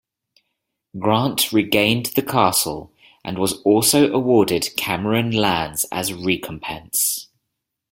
Grant regained the castle, and was also awarded Cameron lands as recompense.